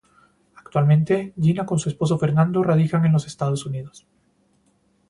Actualmente, Gina con su esposo Fernando radican en los Estados Unidos.